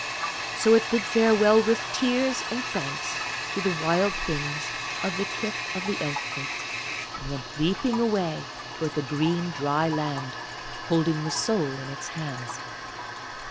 So it bid farewell with tears and thanks to the Wild Things of the kith of Elf folk, and went leaping away towards the green dry land, holding the soul in its hands.